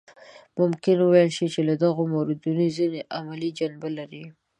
ممکن وویل شي چې له دغو موردونو ځینې علمي جنبه لري.